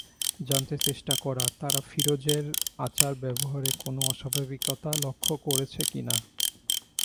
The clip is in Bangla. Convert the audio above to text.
জানতে চেষ্টা করা, তারা ফিরোজের আচার ব্যবহারে কোনো অস্বাভাবিকতা লক্ষ করেছে কি না।